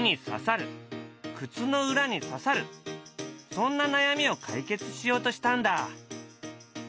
そんな悩みを解決しようとしたんだ。